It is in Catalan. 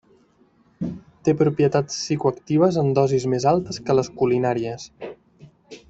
Té propietats psicoactives en dosis més altes que les culinàries.